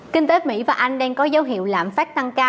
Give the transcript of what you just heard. kinh tế mỹ và anh đang có dấu hiệu lãm phát tăng tiền